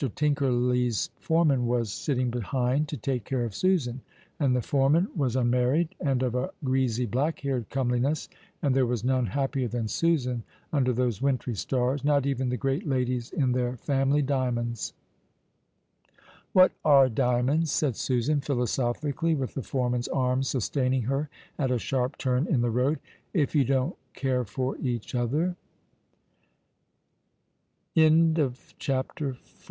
Tinkerly's foreman was sitting behind to take care of Susan, and the foreman was unmarried, and of a greasy black haired comeliness, and there was none happier than Susan under those wintry stars — not even the great ladies in their family diamonds. " What are diamonds," said Susan, philosophically, with the foreman's arm sustaining her at a sharp turn in the road, " if you don't care for each other ?"( 6i ) CHAPTER Y.